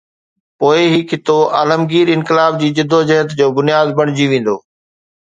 پوءِ هي خطو عالمگير انقلاب جي جدوجهد جو بنياد بڻجي ويندو.